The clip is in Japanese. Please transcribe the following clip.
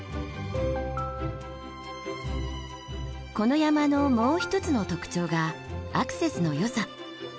この山のもう一つの特徴がアクセスのよさ。